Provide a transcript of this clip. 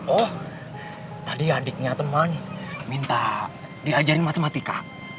oh tadi adiknya teman minta diajarin matematika